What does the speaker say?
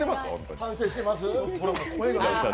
反省してます